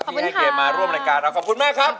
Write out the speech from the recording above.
ที่ให้เกดมาร่วมรายการนะครับขอบคุณแม่ครับ